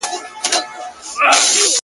ما له ازله بې خبره کوچي،